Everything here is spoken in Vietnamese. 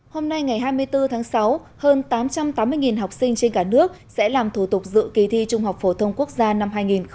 hôm nay ngày hai mươi bốn tháng sáu hơn tám trăm tám mươi học sinh trên cả nước sẽ làm thủ tục dự kỳ thi trung học phổ thông quốc gia năm hai nghìn một mươi chín